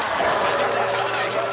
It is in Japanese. しゃあないでしょ。